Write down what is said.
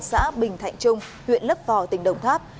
xã bình thạnh trung huyện lấp vò tỉnh đồng tháp